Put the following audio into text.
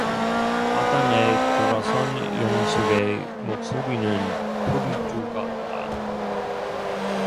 마당에 들어선 영숙의 목소리는 풀이 죽었다.